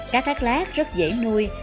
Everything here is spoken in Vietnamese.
cá thác lát rất dễ nuôi